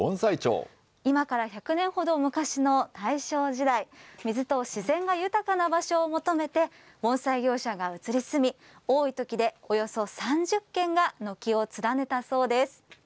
今から１００年ほど昔の大正時代、水と自然が豊かな場所を求めて、盆栽業者が移り住み、多いときでおよそ３０軒が軒を連ねたそうです。